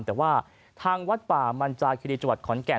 แต่ว่าทางวัดป่ามันจาคิรีจังหวัดขอนแก่น